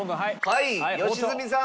はい良純さん。